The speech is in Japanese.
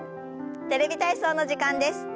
「テレビ体操」の時間です。